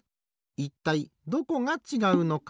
いったいどこがちがうのか。